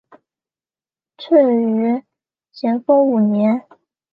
卒于咸丰五年。